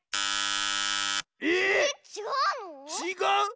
え⁉ちがうの？